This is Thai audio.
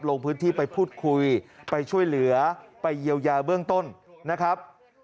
ลงพื้นที่ไปพูดคุยไปช่วยเหลือไปเยียวยาเบื้องต้นนะครับ